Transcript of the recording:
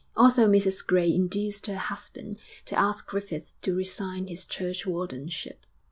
Also Mrs Gray induced her husband to ask Griffith to resign his churchwardenship.